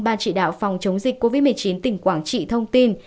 ban chỉ đạo phòng chống dịch covid một mươi chín tỉnh quảng trị thông tin